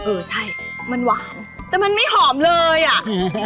เออใช่มันหวานแต่มันไม่หอมเลยอ่ะอืม